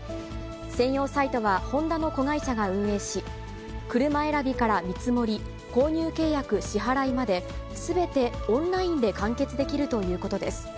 専用サイトはホンダの子会社が運営し、車選びから見積もり、購入契約、支払いまで、すべてオンラインで完結できるということです。